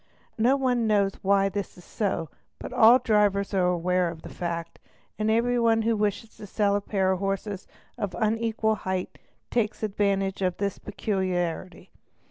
No one knows why this is so, but all drivers are aware of the fact, and every one who wishes to sell a pair of horses of unequal height takes advan tage of this peculiarity.